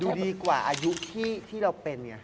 ดูดีกว่าอายุที่เราเป็นอย่างเงี้ย